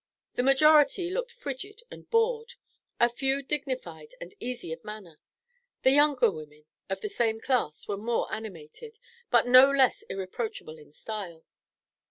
The majority looked frigid and bored, a few dignified and easy of manner. The younger women of the same class were more animated, but no less irreproachable in style.